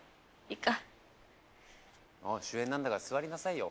［主演なんだから座りなさいよ。］